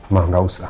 ma enggak usah